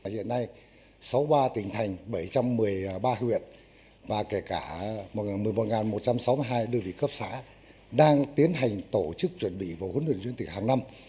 hiện nay sáu mươi ba tỉnh thành bảy trăm một mươi ba huyện và kể cả một mươi một một trăm sáu mươi hai đơn vị cấp xã đang tiến hành tổ chức chuẩn bị và huấn luyện viên thể hàng năm